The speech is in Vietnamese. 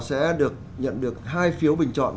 sẽ được nhận được hai phiếu bình chọn